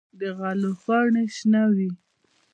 د غلو پاڼې شنه وي.